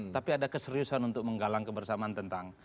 tapi ada keseriusan untuk menggalang kebersamaan tentang